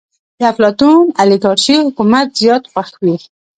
د افلاطون اليګارشي حکومت زيات خوښ وي.